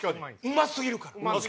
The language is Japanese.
うますぎるから。